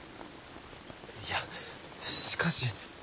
いやしかし。